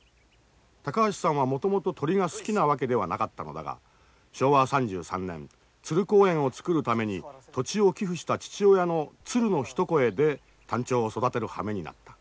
高橋さんはもともと鳥が好きなわけではなかったのだが昭和３３年鶴公園をつくるために土地を寄付した父親の「鶴の一声」でタンチョウを育てるはめになった。